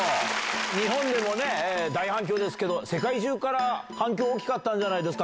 日本でもね、大反響ですけど、世界中から反響大きかったんじゃないですか？